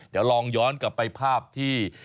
เดี๋ยวลองย้อนกลับไปภาพที่